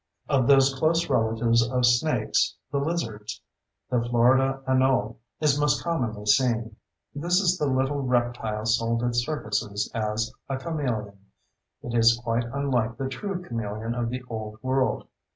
Of those close relatives of snakes, the lizards, the Florida anole is most commonly seen. This is the little reptile sold at circuses as a "chameleon"; it is quite unlike the true chameleon of the Old World.